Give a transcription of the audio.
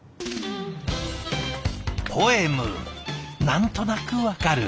何となく分かる。